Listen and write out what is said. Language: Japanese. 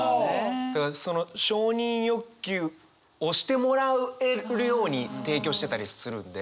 だからその承認欲求をしてもらえるように提供してたりするんで。